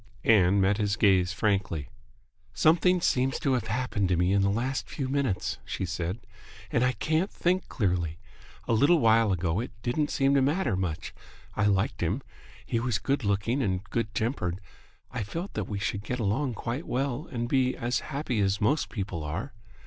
Ann met his gaze frankly. "Something seems to have happened to me in the last few minutes," she said, "and I can't think clearly. A little while ago it didn't seem to matter much. I liked him. He was good looking and good tempered. I felt that we should get along quite well and be as happy as most people are.